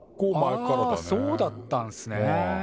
あそうだったんすね。